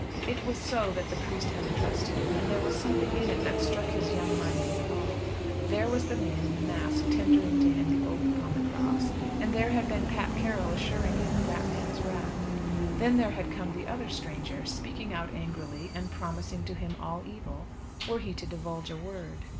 It was so that the priest had addressed him, and there was something in it that struck his young mind with awe. There was the man in the mask tendering to him the oath upon the cross; and there had been Pat Carroll assuring him of that man's wrath. Then there had come the other stranger, speaking out angrily, and promising to him all evil, were he to divulge a word.